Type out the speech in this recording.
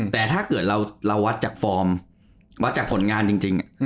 แต่ถ้าเกิดเราวัดจากฟอร์มวัดจากผลงานจริง